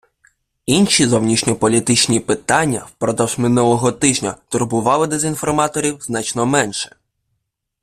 Інші зовнішньополітичні питання впродовж минулого тижня турбували дезінформаторів значно менше.